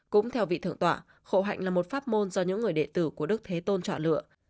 cũng theo vị thượng tọa khổ hạnh là một pháp môn do những người đệ tử của đức thế tôn trọ lựa